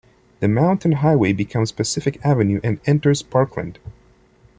The Mountain Highway becomes Pacific Avenue and enters Parkland.